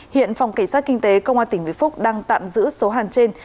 hiện phòng cảnh sát kinh tế công an tỉnh vĩnh phúc đang tạm giữ số hàng trên